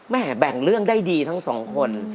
แบ่งเรื่องได้ดีทั้งสองคน